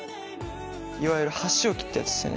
いわゆる箸置きってやつっすよね。